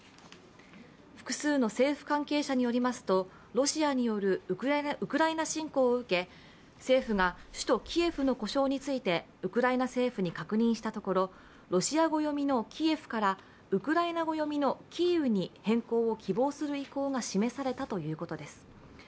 複数の政府関係者によりますとロシアによるウクライナ侵攻を受け政府が首都キエフの呼称についてウクライナ政府に確認したところロシア語読みのキエフからウクライナ語読みのキーウに変更を希望する意向が示されたということです。